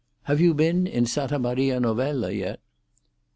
Have you been in Santa Maria Novella yet?"